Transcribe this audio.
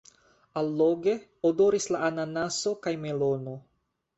Alloge odoris la ananaso kaj melono.